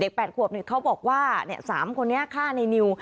๘ขวบเขาบอกว่า๓คนนี้ฆ่าในนิว